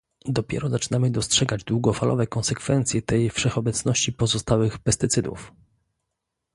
Dopiero zaczynamy dostrzegać długofalowe konsekwencje tej wszechobecności pozostałości pestycydów